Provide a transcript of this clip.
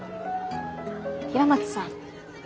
平松さん。